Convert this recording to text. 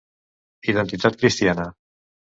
Identitat Cristiana.